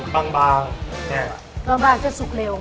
บางบางแม่